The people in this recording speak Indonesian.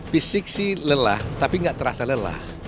fisik sih lelah tapi nggak terasa lelah